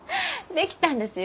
できたんですよ。